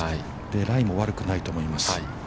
ライも悪くないと思います。